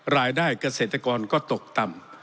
รายได้เกษตรกรก็ตกต่ำ